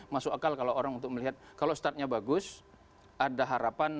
masuk akal kalau orang untuk melihat kalau startnya bagus ada harapan